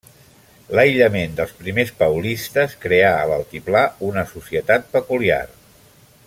L'aïllament dels primers paulistes creà a l'altiplà una societat peculiar.